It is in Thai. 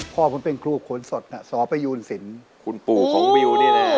พ่อผมเป็นครูขนสดสประยูนสินคุณปู่ของวิวนี่นะ